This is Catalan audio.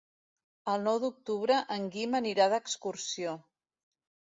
El nou d'octubre en Guim anirà d'excursió.